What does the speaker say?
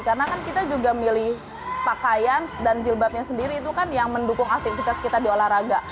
karena kan kita juga milih pakaian dan jilbabnya sendiri itu kan yang mendukung aktivitas kita di olahraga